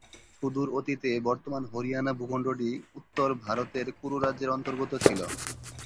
সুদূর অতীতে বর্তমান হরিয়ানা ভূখণ্ডটি উত্তর ভারতের কুরু রাজ্যের অন্তর্গত ছিল।